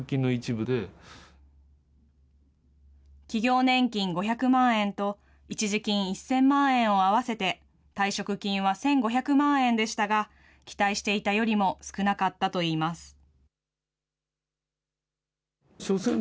企業年金５００万円と一時金１０００万円を合わせて、退職金は１５００万円でしたが、期待していたよりも少なかったといいます。